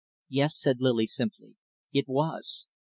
"Yes," said Lily simply, "it was."